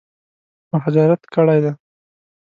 مهاجرت کړی دی.